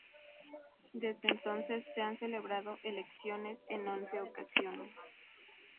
Desde entonces se han celebrado elecciones en once ocasiones.